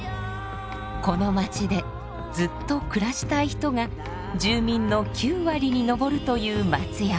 この街でずっと暮らしたい人が住民の９割に上るという松山。